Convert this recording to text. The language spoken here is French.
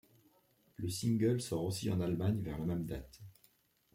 Le single sort aussi en Allemagne vers la même date.